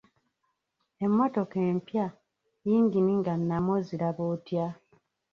Emmotoka empya, yingini nga nnamu oziraba otya?